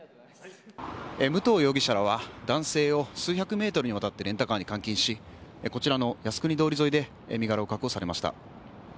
武藤容疑者らは男性を数百メートルにわたってレンタカーに監禁しこちらの靖国通り沿いで身柄を確保されました。